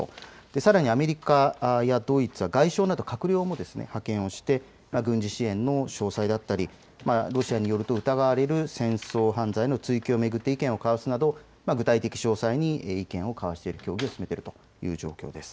さらにアメリカやドイツは外相など閣僚も派遣をして軍事支援の詳細だったり、ロシアによると疑われる戦争犯罪の追及を巡って意見を交わすなど具体的、詳細に意見を交わしているという状況だと思います。